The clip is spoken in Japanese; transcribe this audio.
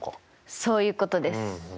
そういうことです。